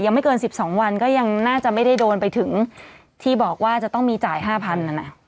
ไม่เกิน๑๒วันก็ยังน่าจะไม่ได้โดนไปถึงที่บอกว่าจะต้องมีจ่าย๕๐๐นั่นนะ